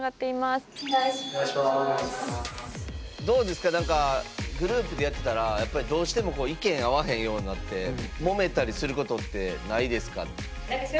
どうですかなんかグループでやってたらやっぱりどうしても意見合わへんようになってもめたりすることってないですか？